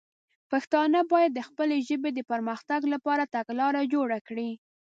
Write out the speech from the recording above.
پښتانه باید د خپلې ژبې د پر مختګ لپاره تګلاره جوړه کړي.